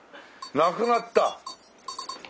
亡くなった。